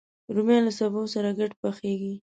رومیان له سبو سره ګډ پخېږي